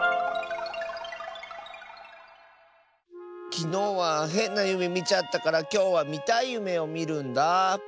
きのうはへんなゆめみちゃったからきょうはみたいゆめをみるんだあ。